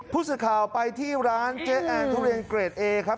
ผู้สิทธิ์ข่าวไปที่ร้านแจนทุเรียนเกรดเอครับ